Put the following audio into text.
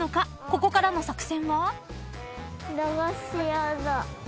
［ここからの作戦は？］